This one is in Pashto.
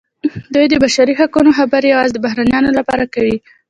دوی د بشري حقونو خبرې یوازې د بهرنیانو لپاره کوي.